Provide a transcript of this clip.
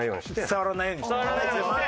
触らないようにしてね。